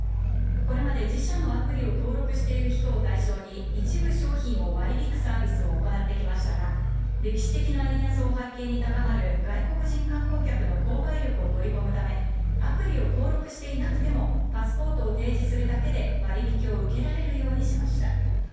これまで自社のアプリを登録している人を対象に、一部商品を割り引くサービスを行ってきましたが、歴史的な円安を背景に高まる外国人観光客の購買力を取り込むため、アプリを登録していなくても、パスポートを提示するだけで割引を受けられるようにしました。